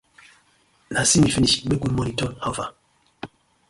Na see finish make “good morning” turn “how far”: